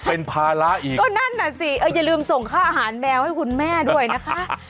เป็นภาระอีกก็นั่นน่ะสิเอออย่าลืมส่งค่าอาหารแมวให้คุณแม่ด้วยนะคะ